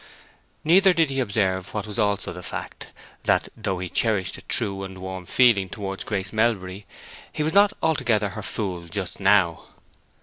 Neither did he observe what was also the fact, that though he cherished a true and warm feeling towards Grace Melbury, he was not altogether her fool just now.